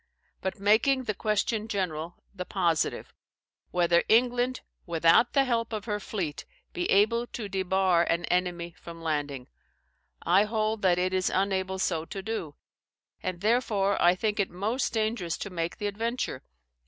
But making the question general, the positive, WHETHER England, WITHOUT THE HELP OF HER FLEET, BE ABLE TO DEBAR AN ENEMY FROM LANDING; I hold that it is unable so to do; and therefore I think it most dangerous to make the adventure.